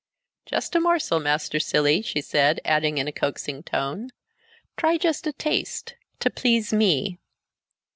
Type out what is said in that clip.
"Just a morsel, Master Cilley," she said, adding in a coaxing tone, "Try just a taste, to please me."